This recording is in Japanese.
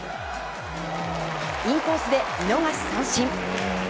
インコースで見逃し三振。